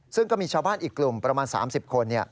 ซึ่งก็มีชาวบ้านอีกกลุ่มประมาณ๓๐คน